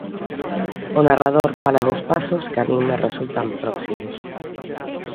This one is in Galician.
O narrador fala de espazos que a min me resultan próximos.